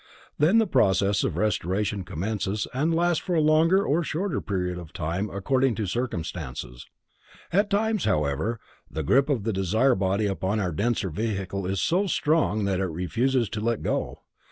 Then the process of restoration commences and lasts for a longer or a shorter time according to circumstances. At times however, the grip of the desire body upon our denser vehicles is so strong that it refuses to let go.